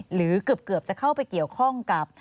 หรือเกือบจะเข้าไปเกี่ยวข้องกับ